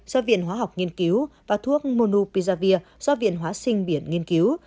do viện hóa học nghiên cứu và thuốc monopizavir do viện hóa sinh biển nghiên cứu